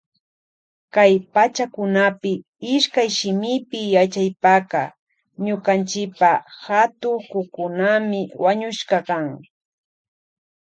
Kay pachakunapi ishkayshimipi yachaypaka ñukanchipa hatukukunami wañushka kan.